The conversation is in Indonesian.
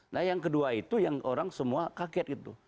nah yang kedua itu yang orang semua kaget gitu